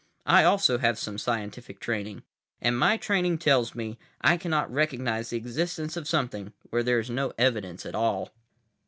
I also have some scientific training. And my training tells me I cannot recognize the existence of something where there is no evidence at all."